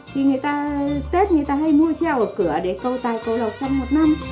thì người ta tết người ta hay mua treo ở cửa để cầu tài cầu lộc trong một năm